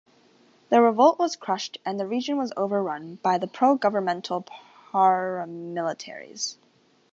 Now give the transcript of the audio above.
The revolt was crushed and the region was overrun by the pro-governmental paramilitaries.